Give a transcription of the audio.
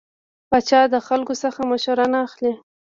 پاچا د خلکو څخه مشوره نه اخلي .